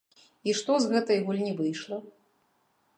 І што з гэтай гульні выйшла?